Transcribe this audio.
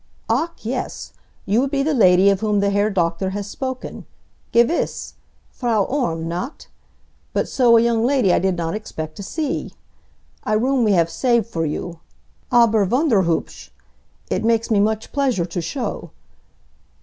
"Ach yes! You would be the lady of whom the Herr Doktor has spoken. Gewiss! Frau Orme, not? But so a young lady I did not expect to see. A room we have saved for you aber wunderhubsch! It makes me much pleasure to show.